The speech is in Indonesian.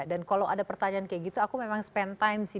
dan kalau ada pertanyaan kayak gitu aku memang spend time sih